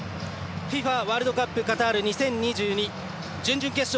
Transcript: ＦＩＦＡワールドカップカタール２０２２準々決勝